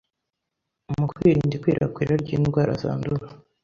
Mu kwirinda ikwirakwira ry'indwara zandura,